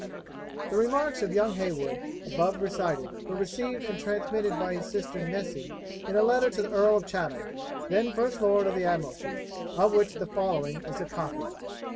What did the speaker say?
The remarks of young Heywood above recited, were received and transmitted by his sister Nessy in a letter to the Earl of Chatham, then first Lord of the Admiralty, of which the following is a copy.